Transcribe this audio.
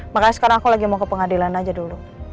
makanya sekarang aku lagi mau ke pengadilan aja dulu